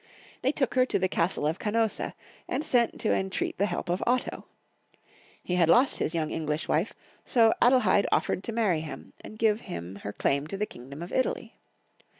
They took her to the castle of Canossa, and sent to entreat the lielp of Otto. He had lost his English wife ; so Adelheid offered to marry him, and give him her claim to the kingdom of Italy.